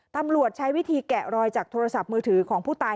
ตำรวจใช้วิธีแกะรอยจากโทรศัพท์มือถือของผู้ตาย